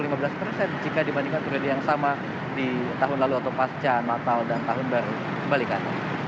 jika dibandingkan periode yang sama di tahun lalu atau pasca natal dan tahun baru kembalikan